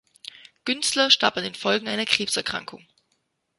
Günzler starb an den Folgen einer Krebserkrankung.